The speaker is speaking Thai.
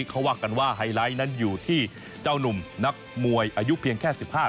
เขาว่ากันว่าไฮไลท์นั้นอยู่ที่เจ้านุ่มนักมวยอายุเพียงแค่๑๕ปี